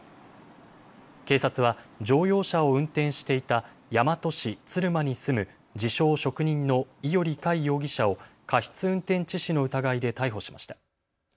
警察は乗用車を運転していた大和市鶴間に住む自称、職人の伊從開容疑者を過失運転致死の疑いで逮捕しました。